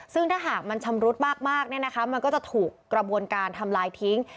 ซึ่งถ้าหากมันชำรุดมากมันก็จะถูกกระบวนการทำลายทิ้ง